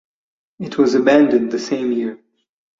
It was abandoned the same year.